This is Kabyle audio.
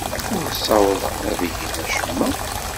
Ur ssawḍen ad gen acemma.